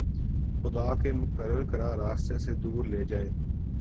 خدا کے مقرر کردہ راستے سے دور لے جائے